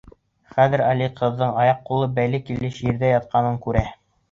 Хәҙер Али ҡыҙҙың аяҡ-ҡулы бәйле килеш ерҙә ятҡанын күрә.